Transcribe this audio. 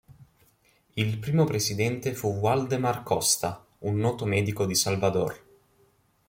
Il primo presidente fu Waldemar Costa, un noto medico di Salvador.